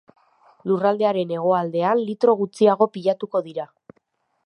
Lurraldearen hegoaldean litro gutxiago pilatuko dira.